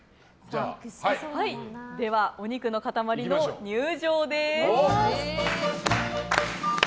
ではお肉の塊の入場です。